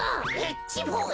Ｈボーイ。